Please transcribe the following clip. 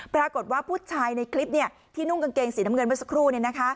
ปรากฏว่าผู้ชายในคลิปที่นุ่งกางเกงสีน้ำเงินเมื่อสักครู่